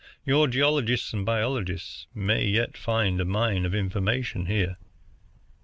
Your geologists and biologists may yet find a mine of information here."